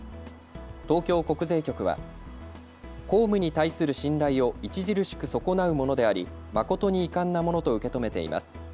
東京国税局は、公務に対する信頼を著しく損なうものであり誠に遺憾なものと受け止めています。